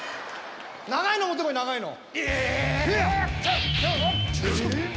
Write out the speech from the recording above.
長いの持ってこい長いの。